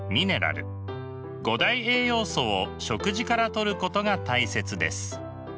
五大栄養素を食事からとることが大切です。